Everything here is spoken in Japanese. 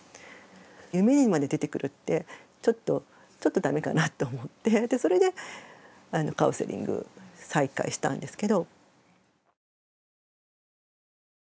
夢にまで出てくるってちょっとちょっとダメかなと思ってそれでカウンセリング再開したんですけど。